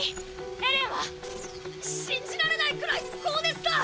エレンは⁉信じられないくらい高熱だ！